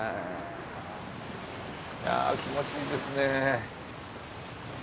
いや気持ちいいですね。